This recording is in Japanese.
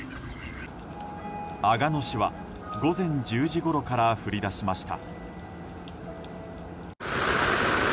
阿賀野市は午前１０時ごろから降り出しました。